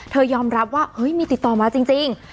ยอมรับว่าเฮ้ยมีติดต่อมาจริง